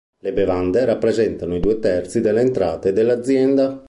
Le bevande rappresentano i due terzi delle entrate dell'azienda.